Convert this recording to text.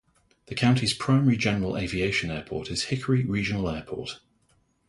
The county's primary general aviation airport is Hickory Regional Airport.